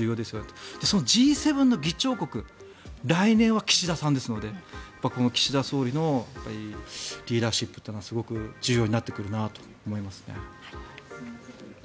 そして、Ｇ７の議長国来年は岸田さんですので岸田総理のリーダーシップというのがすごく重要になってくるなと思います。